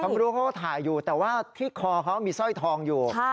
เขารู้เขาก็ถ่ายอยู่แต่ว่าที่คอเขามีสร้อยทองอยู่